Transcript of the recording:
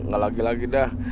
nggak lagi lagi dah